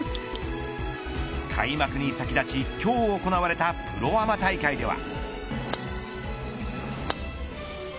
開幕に先立ち、今日行われたプロアマ大会では。